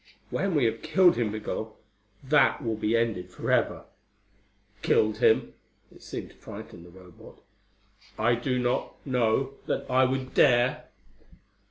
"When we have killed him, Migul, that will be ended forever." "Killed him?" It seemed to frighten the Robot. "I do not know that I would dare!"